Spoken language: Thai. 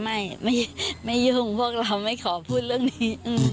ไม่ไม่ยุ่งพวกเราไม่ขอพูดเรื่องนี้